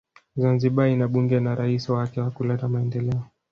Zanzibari ina bunge na rais wake wakuleta Maendeleo